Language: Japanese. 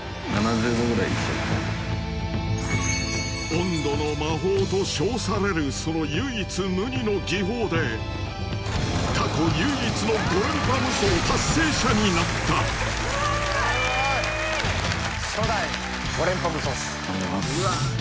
温度の魔法と称されるその唯一無二の技法で過去唯一の５連覇無双達成者になったありがとうございます。